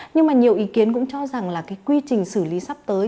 nhưng mà nhiều ý kiến cũng cho rằng là cái quy trình xử lý sắp tới